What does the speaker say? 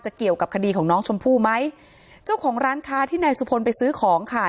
เกี่ยวกับคดีของน้องชมพู่ไหมเจ้าของร้านค้าที่นายสุพลไปซื้อของค่ะ